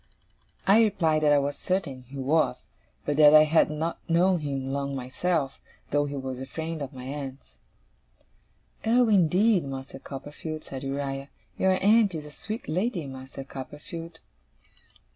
I replied that I was certain he was; but that I had not known him long myself, though he was a friend of my aunt's. 'Oh, indeed, Master Copperfield,' said Uriah. 'Your aunt is a sweet lady, Master Copperfield!